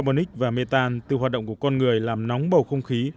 monic và mê tan từ hoạt động của con người làm nóng bầu không khí